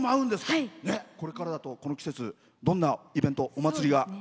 これからだとこの季節どんなイベントお祭りが？